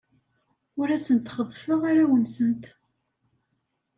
Ur asent-xeḍḍfeɣ arraw-nsent.